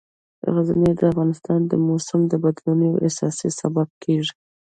غزني د افغانستان د موسم د بدلون یو اساسي سبب کېږي.